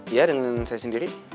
iya dengan saya sendiri